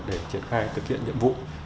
để triển khai thực hiện nhiệm vụ